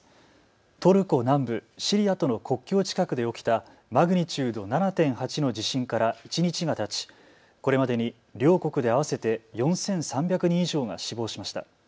トルコ南部、シリアとの国境近くで起きたマグニチュード７．８の地震から一日がたちこれまでに両国で合わせて４３００人以上が死亡しました。